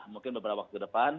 mungkin beberapa waktu ke depan